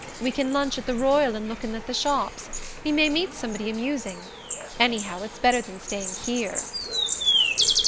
We can lunch at the Royal and look in the shops we may meet somebody amusing. Anyhow, it's better than staying here!"